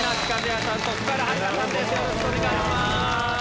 よろしくお願いします。